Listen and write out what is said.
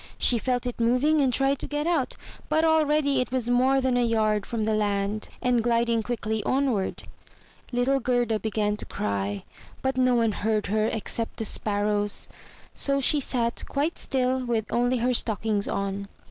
She felt it moving and tried to get out; but already it was more than a yard from the land, and gliding quickly onward. Little Gerda began to cry; but no one heard her except the Sparrows. So she sat quite still with only her stockings on.